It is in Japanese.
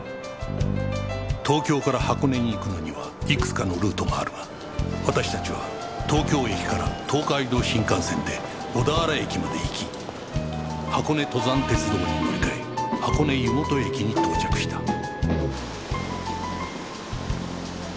東京から箱根に行くのにはいくつかのルートがあるが私たちは東京駅から東海道新幹線で小田原駅まで行き箱根登山鉄道に乗り換え箱根湯本駅に到着した